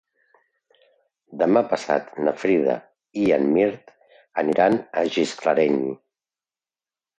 Demà passat na Frida i en Mirt aniran a Gisclareny.